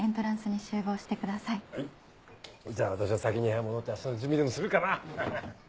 じゃあ私は先に部屋戻って明日の準備でもするかなハハ。